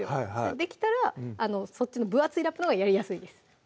できたら分厚いラップのほうがやりやすいです